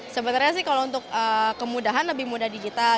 sebenarnya sih kalau untuk kemudahan lebih mudah digital